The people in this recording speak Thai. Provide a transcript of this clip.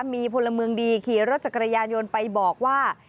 มีพลเมืองดีขี่รถจักรยานยนต์ไปบอกว่า